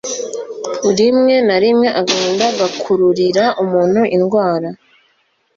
rimwe na rimwe agahinda gakururira umuntu indwara